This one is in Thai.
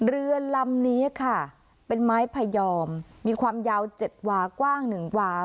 เรือลำนี้ค่ะเป็นไม้พยอมมีความยาว๗วากว้าง๑วา